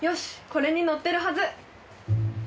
これに載ってるはず！